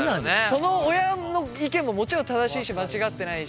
その親の意見ももちろん正しいし間違ってないし。